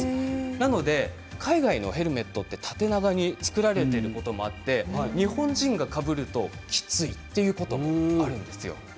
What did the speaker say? なので海外のヘルメットって縦長に作られていることがあって日本人がかぶるときついこともあるんですよ。